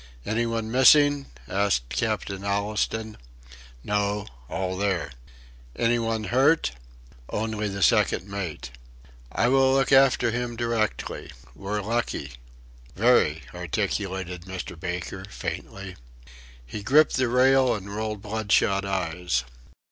"Any one missing?" asked Captain Allistoun. "No. All there." "Anybody hurt?" "Only the second mate." "I will look after him directly. We're lucky." "Very," articulated Mr. Baker, faintly. He gripped the rail and rolled bloodshot eyes.